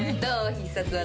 必殺技。